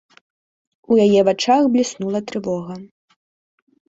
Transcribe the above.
У яе вачах бліснула трывога.